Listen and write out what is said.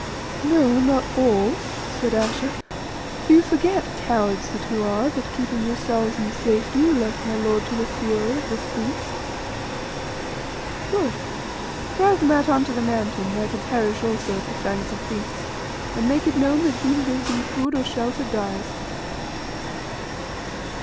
"No, not all," said Ayesha; "for you forget, cowards that you are, that, keeping yourselves in safety, you left my lord to the fury of this beast. Good. Drive them out on to the Mountain, there to perish also at the fangs of beasts, and make it known that he who gives them food or shelter dies."